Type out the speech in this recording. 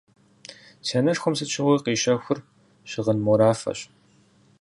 Си анэшхуэм сыт щыгъуи къищэхур щыгъын морафэщ.